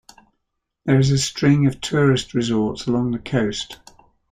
There is a string of tourist resorts along the coast.